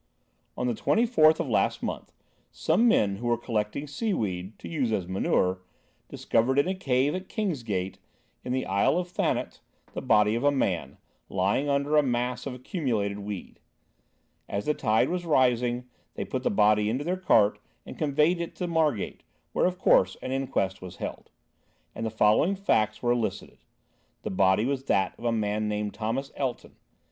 "On the 24th of last month, some men who were collecting seaweed, to use as manure, discovered in a cave at Kingsgate, in the Isle of Thanet, the body of a man, lying under a mass of accumulated weed. As the tide was rising, they put the body into their cart and conveyed it to Margate, where, of course, an inquest was held, and the following facts were elicited. The body was that of a man named Thomas Elton.